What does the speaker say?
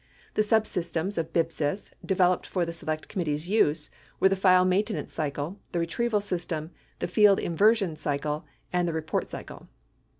The subsystems of BIBSYS developed for the Select Committee's use were the file main tenance cycle, the retrieval system, the field inversion cycle, and the report cycle.